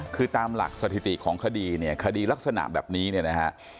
คือตามหลักสถิติของคดีเนี่ยคดีลักษณะแบบนี้เนี่ยนะฮะ